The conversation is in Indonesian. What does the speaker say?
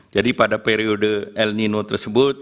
jadi pada periode el nino tersebut